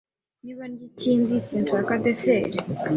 Niba ndya ikindi, sinshaka desert.